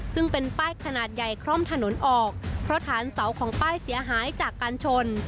ซึ่งเป็นป้ายขนาดใหญ่คล่อมถนนออกเพราะฐานเสาของป้ายเสียหายจากการชน